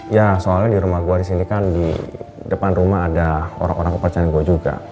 ya soalnya di rumah gue disini kan di depan rumah ada orang orang kepercayaan gue juga